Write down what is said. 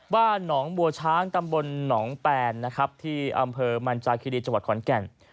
บ้านหนองบัวช้างตำบลหนองแปนนะครับที่อำเภอมันจาคิรีจังหวัดขอนแก่น